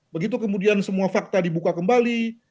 begitu kemudian semua fakta dibuka kembali